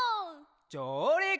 じょうりく！